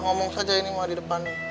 ngomong saja ini mau di depan